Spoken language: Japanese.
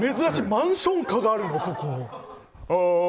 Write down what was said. マンション歌があるんだ、ここ。